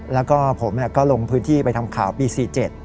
แล้วก็ผมก็ลงพื้นที่ไปทำข่าวปี๔๗